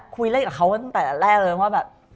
คุยเล่นกับเขาตั้งแต่แรกเลยว่าแบบ